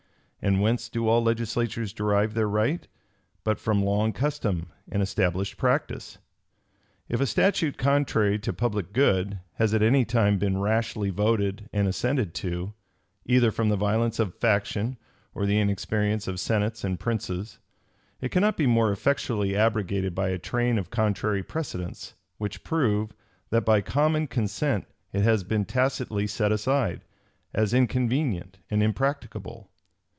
And whence do all legislatures derive their right, but from long custom and established practice? If a statute contrary to public good has at any time been rashly voted and assented to, either from the violence of faction or the inexperience of senates and princes, it cannot be more effectually abrogated by a train of contrary precedents, which prove, that by common consent it has been tacitly set aside, as inconvenient and impracticable.